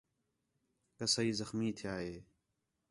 کسائی زخمی تِھیا ہِے